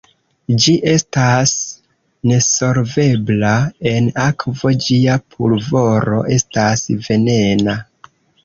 Ĝi estas nesolvebla en akvo, ĝia pulvoro estas venena.